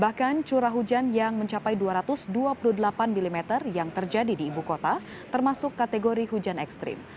bahkan curah hujan yang mencapai dua ratus dua puluh delapan mm yang terjadi di ibu kota termasuk kategori hujan ekstrim